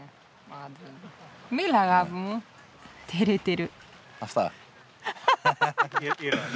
てれてる。